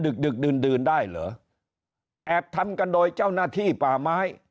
ดึกดื่นดื่นได้เหรอแอบทำกันโดยเจ้าหน้าที่ป่าไม้